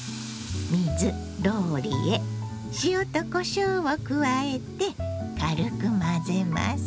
水ローリエ塩とこしょうを加えて軽く混ぜます。